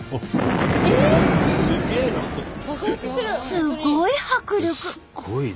すごい迫力！